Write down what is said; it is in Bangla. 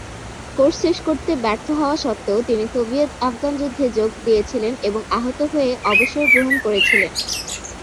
কোর্স শেষ করতে ব্যর্থ হওয়া সত্ত্বেও; তিনি সোভিয়েত-আফগান যুদ্ধে যোগ দিয়েছিলেন এবং আহত হয়ে অবসর গ্রহণ করেছিলেন।